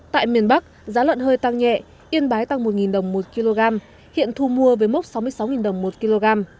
tại miền bắc giá lợn hơi tăng nhẹ yên bái tăng một đồng một kg hiện thu mua với mốc sáu mươi sáu đồng một kg